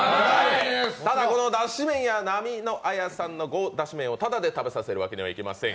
ただ、このだし麺屋ナミノアヤさんの熬だし麺をただで食べさせるわけにはいきません！